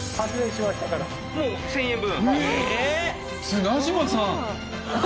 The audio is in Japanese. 綱島さん！